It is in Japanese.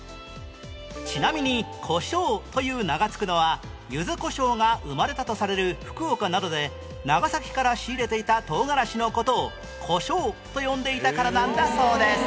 ちなみに「こしょう」という名が付くのはゆずこしょうが生まれたとされる福岡などで長崎から仕入れていたとうがらしの事を「こしょう」と呼んでいたからなんだそうです